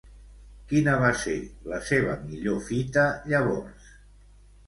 Quina va ser la seva millor fita llavors?